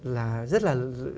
là rất là